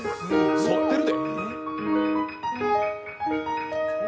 反ってるで。